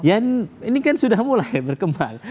ini kan sudah mulai berkembang